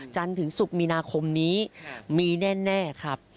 จันทร์ถึงศุกร์มีนาคมนี้มีแน่ครับ